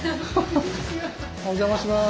お邪魔します。